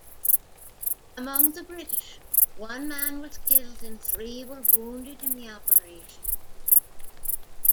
Among the British, one man was killed and three were wounded in the operation.